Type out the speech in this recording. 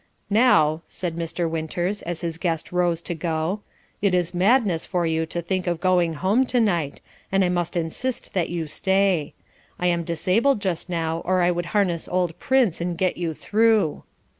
"Now," said Mr. Winters as his guest rose to go, "it is madness for you to think of going home tonight, and I must insist that you stay. I am disabled just now, or I would harness old Prince and get you through."